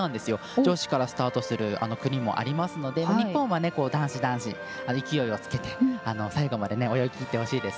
女子からスタートする国もありますので日本は男子、男子勢いをつけて最後まで泳ぎきってほしいです。